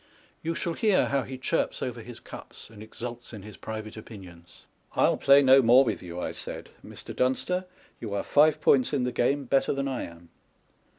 You shall hear how he chirps over his cups, and exults in his private opinions. " I'll play no more with you," I said, "Mr. Dunster â€" you are five points in the game better than I am."